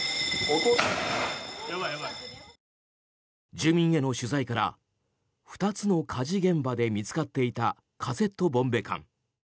住民への取材から２つの火事現場で見つかっていたカセットボンベ缶。